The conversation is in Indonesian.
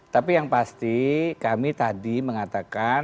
tapi yang pasti kami tadi mengatakan